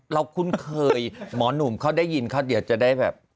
คุ้นเคยหมอหนุ่มเขาได้ยินเขาเดี๋ยวจะได้แบบ